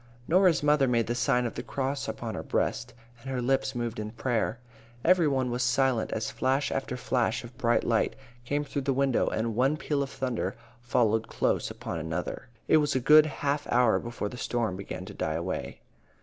Norah's mother made the sign of the cross upon her breast, and her lips moved in prayer. Every one was silent as flash after flash of bright light came through the window, and one peal of thunder followed close upon another. It was a good half hour before the storm began to die away.